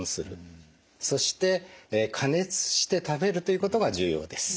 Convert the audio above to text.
そして加熱して食べるということが重要です。